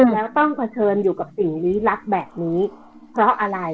แล้วต้องเผชิญอยู่กับสิ่งลี้ลับแบบนี้เพราะอะไร